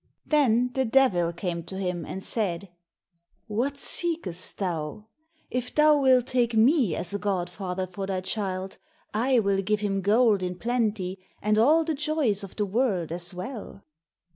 Then the Devil came to him and said, "What seekest thou? If thou wilt take me as a godfather for thy child, I will give him gold in plenty and all the joys of the world as well."